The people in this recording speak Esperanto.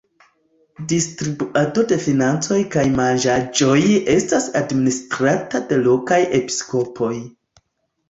Distribuado de financoj kaj manĝaĵoj estas administrata de lokaj episkopoj.